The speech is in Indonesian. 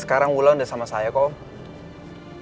sekarang wulan udah sama saya kok om